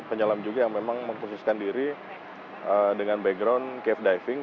ada penyelam juga yang memang mempunyai kemampuan menyelam dalam dengan background cave diving